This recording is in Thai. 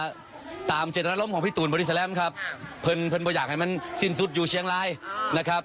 ก็ตามเจตนารมณ์ของพี่ตูนบริสแลมครับเพลินก็อยากให้มันสิ้นสุดอยู่เชียงรายนะครับ